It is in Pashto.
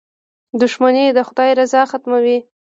• دښمني د خدای رضا ختموي.